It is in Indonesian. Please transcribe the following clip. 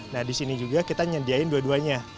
nah disini juga kita nyediain dua duanya